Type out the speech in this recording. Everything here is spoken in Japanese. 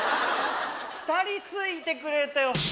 ２人ついてくれたよ。